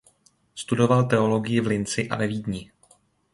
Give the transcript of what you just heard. Studoval teologii v Linci a ve Vídni.